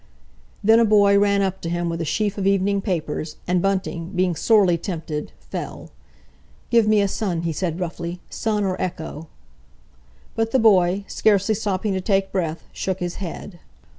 Then a boy ran up to him with a sheaf of evening papers, and Bunting, being sorely tempted—fell. "Give me a Sun," he said roughly, "Sun or Echo!" But the boy, scarcely stopping to take breath, shook his head.